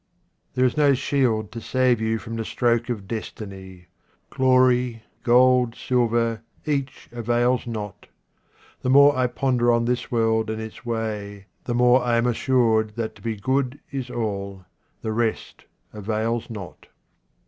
There is no shield to save you from the stroke of destiny. Glory, gold, silver, each avails not. The more I ponder on this world and its way the more I am assured that to be good is all ; the rest avails not.